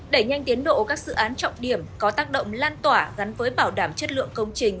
đẩy nhanh tiến độ các dự án trọng điểm có tác động lan tỏa gắn với bảo đảm chất lượng công trình